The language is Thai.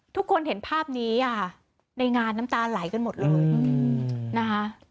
ทุกคนเห็นภาพนี้อ่ะในงานน้ำตาไหลกันหมดเลยนะคะ